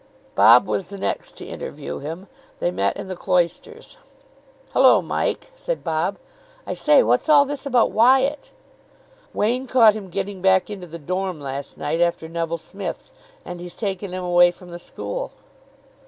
Bob was the next to interview him. They met in the cloisters. "Hullo, Mike!" said Bob. "I say, what's all this about Wyatt?" "Wain caught him getting back into the dorm. last night after Neville Smith's, and he's taken him away from the school."